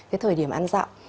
cái thời điểm ăn dặm